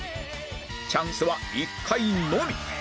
チャンスは１回のみ！